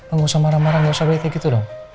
enggak usah marah marah gak usah beretik gitu dong